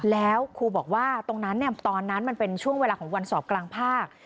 แล้วครูบอกว่าตรงนั้นตอนนั้นมันเป็นช่วงเวลาของวันสอบกลางภาค